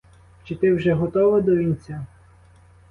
Чи ти вже готова до вінця?